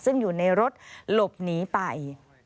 ซึ่งอยู่ในรถหลบหนีไป